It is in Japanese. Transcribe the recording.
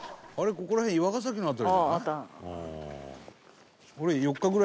ここら辺岩ケ崎の辺りじゃない？」